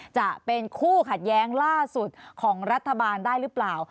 จะเป็นคู่ขัดแย้งล่าสุดของรัฐบาลได้หรือเปล่า